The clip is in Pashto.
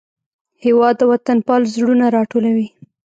هېواد د وطنپال زړونه راټولوي.